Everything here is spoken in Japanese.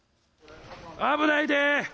「危ないで！」。